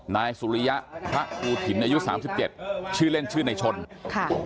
นายสุริยะพระภูถินอายุสามสิบเจ็ดชื่อเล่นชื่อในชนค่ะ